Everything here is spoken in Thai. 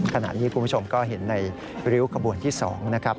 ขณะนี้คุณผู้ชมก็เห็นในริ้วขบวนที่๒นะครับ